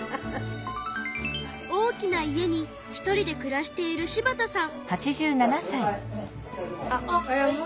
大きな家にひとりでくらしている柴田さん。